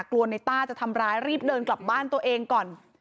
กลัวในต้าจะทำร้ายรีบเดินกลับบ้านตัวเองก่อน